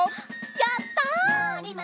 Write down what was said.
やった！